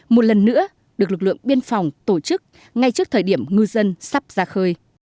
một lần nữa được lực lượng biên phòng tổ chức ngay trước thời điểm ngư dân sắp ra khơi